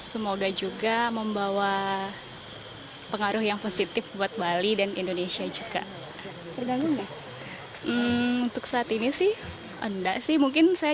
semua orang yang melawat bali harus datang ke sini menurut saya